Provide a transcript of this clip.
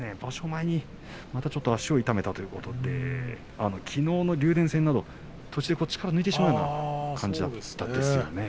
前にまた足を痛めたということできのうの竜電戦など途中、力を抜いてしまうような感じだったんですよね。